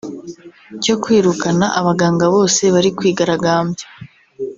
cyo kwirukana abaganga bose bari kwigaragambya